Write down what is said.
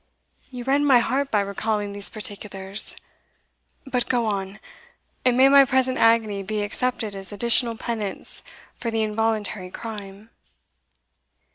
"You rend my heart by recalling these particulars But go on, and may my present agony be accepted as additional penance for the involuntary crime!"